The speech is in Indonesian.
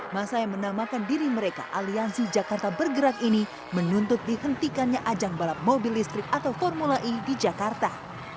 masa yang menamakan diri mereka aliansi jakarta bergerak ini menuntut dihentikannya ajang balap mobil listrik atau formula e di jakarta